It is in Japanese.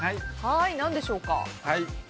何でしょうか。